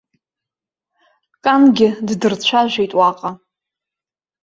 Кангьы ддырцәажәеит уаҟа.